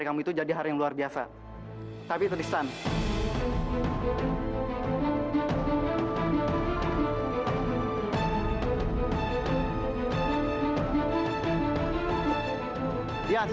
yaudah kalau masih mau di sini